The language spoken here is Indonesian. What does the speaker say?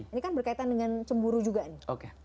ini kan berkaitan dengan cemburu juga nih